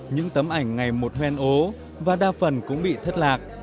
những tấm ảnh ngày một hoen ố và đa phần cũng bị thất lạc